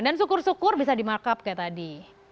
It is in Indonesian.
dan syukur syukur bisa di mark up kayak tadi